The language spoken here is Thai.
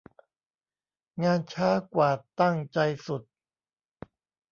งานช้ากว่าตั้งใจสุด